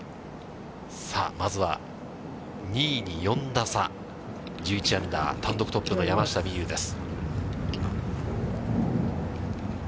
さあ、まずは２位に４打差、１１アンダー、単独トップの山下美夢有です。